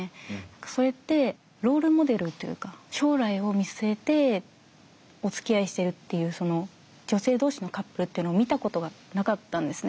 それってロール・モデルというか将来を見据えておつきあいしてるっていうその女性同士のカップルっていうのを見たことがなかったんですね。